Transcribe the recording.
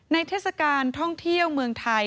เทศกาลท่องเที่ยวเมืองไทย